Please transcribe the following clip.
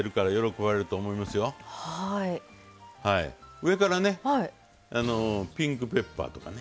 上からねピンクペッパーとかね。